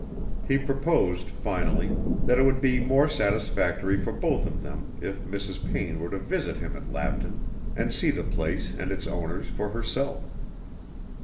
He proposed, finally, that it would be more satisfactory for both of them if Mrs. Payne were to visit him at Lapton and see the place and its owners for herself.